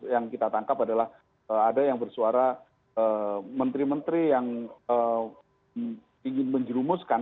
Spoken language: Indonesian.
yang kita tangkap adalah ada yang bersuara menteri menteri yang ingin menjerumuskan